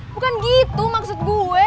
bukan gitu maksud gue